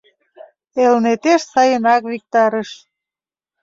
Элнетеш сайынак витарыш.